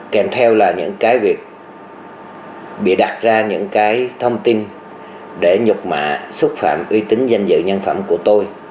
kèm theo là những cái việc bị đặt ra những cái thông tin để nhục mạ xúc phạm uy tín danh dự nhân phẩm của tôi